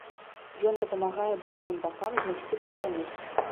Ён дапамагае абодвум бакам знайсці кампраміс.